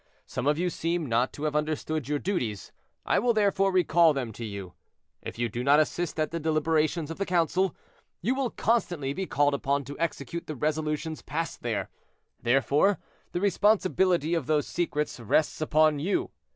Some of you seem not to have understood your duties; I will, therefore, recall them to you. If you do not assist at the deliberations of the council, you will constantly be called upon to execute the resolutions passed there; therefore, the responsibility of those secrets rests upon you.